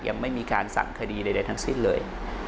ยังไม่มีการสั่งคดีใดทั้งสิ้นเลย